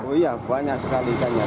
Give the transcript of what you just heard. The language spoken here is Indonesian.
oh iya banyak sekali ikannya